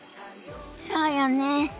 そうよね。